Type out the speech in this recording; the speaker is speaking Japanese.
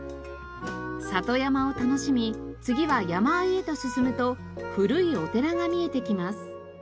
里山を楽しみ次は山あいへと進むと古いお寺が見えてきます。